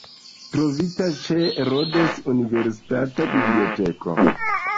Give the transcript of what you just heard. Trovita ĉe Rhodes Universitata Biblioteko.